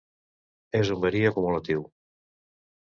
És un verí acumulatiu.